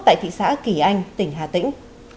tại thị xã kỳ anh tỉnh hà tĩnh